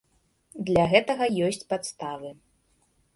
Для гэтага ёсць падставы.